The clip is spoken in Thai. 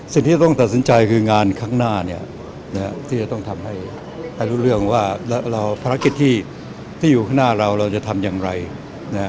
คุณก็ตัดสินใจเรื่องในเรื่องนี้หรือเปล่าว่าเวลาจะเข้าเป็นนั้นเหมือนที่อยู่ข้างหน้า